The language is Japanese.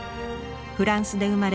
フランスで生まれ